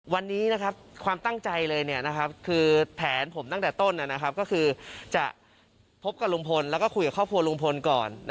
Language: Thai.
วันนี้ความตั้งใจเลยคือแผนผมตั้งแต่ต้นก็คือจะพบกับลุงพลแล้วก็คุยกับครอบครัวลุงพลก่อน